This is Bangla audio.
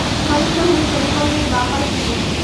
সমস্যা হলো সমীকরণের বাঁ পাশ নিয়ে।